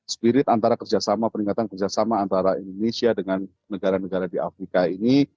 spirit antara kerjasama peningkatan kerjasama antara indonesia dengan negara negara di afrika ini